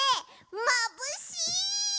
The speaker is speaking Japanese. まぶしい！